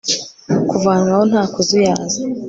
kuvanwaho nta kuzuyaza